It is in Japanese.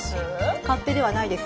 勝手ではないです。